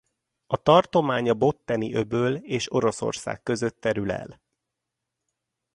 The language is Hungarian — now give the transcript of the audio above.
A tartomány a Botteni-öböl és Oroszország között terül el.